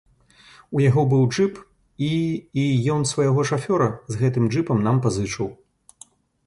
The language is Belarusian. У яго быў джып, і і ён свайго шафёра з гэтым джыпам нам пазычыў.